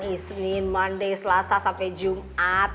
isnin monday selasa sampe jumat